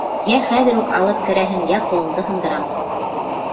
Йә хәҙер үк алып керәһең, йә ҡулыңды һындырам!